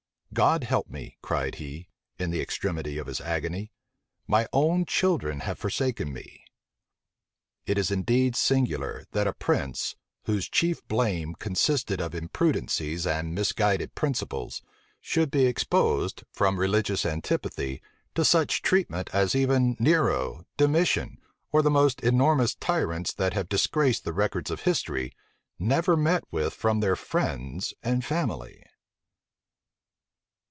"God help me," cried he, in the extremity of his agony; "my own children have forsaken me!" It is indeed singular, that a prince, whose chief blame consisted in imprudencies and misguided principles, should be exposed, from religious antipathy, to such treatment as even Nero, Domitian, or the most enormous tyrants that have disgraced the records of history, never met with from their friends and family.